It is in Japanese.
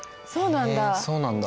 そうなんだ！